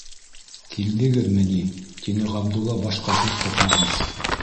- Килдегеҙме ни? - тине Ғабдулла, башҡа һүҙ тапмағас.